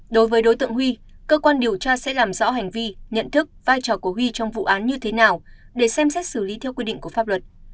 đối với đối tượng huy cơ quan điều tra sẽ làm rõ hành vi nhận thức vai trò của huy trong vụ án như thế nào để xem xét xử lý theo quy định của pháp luật